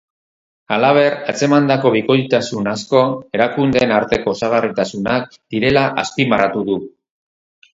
Halaber, atzemandako bikoiztasun asko, erakundeen arteko osagarritasunak direla azpimarratu du.